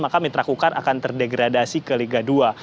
maka mitra kukar akan terdegradasi ke liga dua